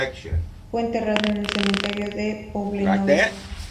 Fue enterrado en el cementerio de Poblenou.